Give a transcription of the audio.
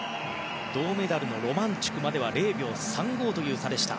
銅メダルのロマンチュクまでは０秒３５という差でした。